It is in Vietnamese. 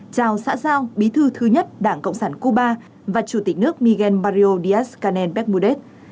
chào xã giao bí thư thứ nhất đảng cộng sản cuba và chủ tịch nước miguel mario díaz canel becmudet